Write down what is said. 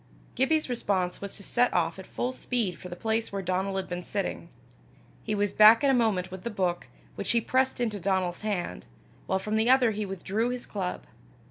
Gibbie's response was to set off at full speed for the place where Donal had been sitting. He was back in a moment with the book, which he pressed into Donal's hand, while from the other he withdrew his club.